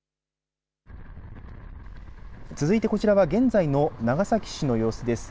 続いてこちらは現在の長崎市の様子です。